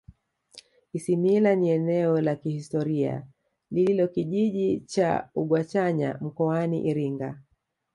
isimila ni eneo la kihistoria lililo kijiji cha ugwachanya mkoani iringa